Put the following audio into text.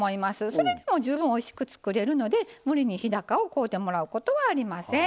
それでも十分おいしく作れるので無理して日高を買ってもらう必要はありません。